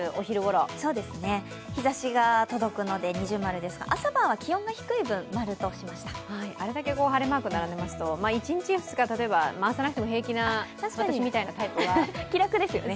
日ざしが届くので二重丸ですが、朝晩は気温が低い分、○としましたあれだけ晴れマーク並んでますと１日、２日くらい回さなくていいような気楽ですよね。